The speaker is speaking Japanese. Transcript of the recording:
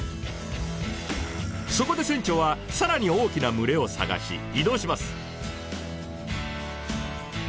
そこで船長は更に大きな群れを探し移動します。